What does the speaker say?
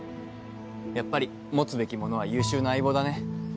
やっぱり持つべきものは優秀な相棒だね。